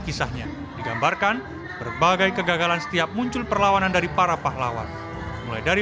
kisahnya digambarkan berbagai kegagalan setiap muncul perlawanan dari para pahlawan mulai dari